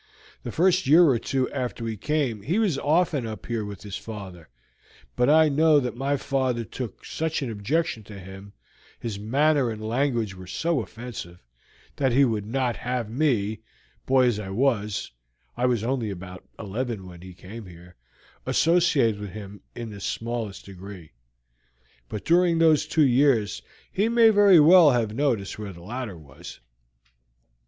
The first year or two after we came he was often up here with his father, but I know that my father took such an objection to him, his manner and language were so offensive, that he would not have me, boy as I was I was only about eleven when he came here associate with him in the smallest degree. But during those two years he may very well have noticed where the ladder was."